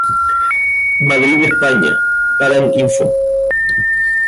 Madrid España: Paraninfo.